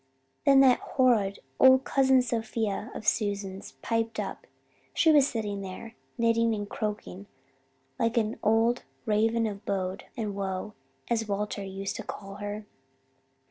"Then that horrid old Cousin Sophia of Susan's piped up. She was sitting there, knitting and croaking like an old 'raven of bode and woe' as Walter used to call her.